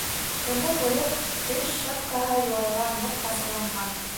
Быны күреп, теш Щеткаһы Юлайға ныҡ асыуланған.